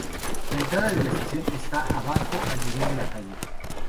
La entrada de la estación está abajo al nivel de la calle.